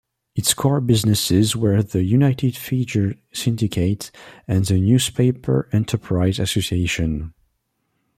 Its core businesses were the United Feature Syndicate and the Newspaper Enterprise Association.